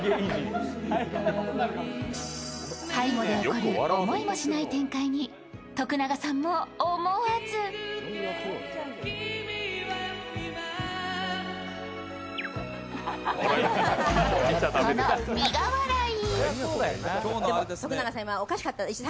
背後で起こる思いもしない展開に徳永さんも思わずこの苦笑い。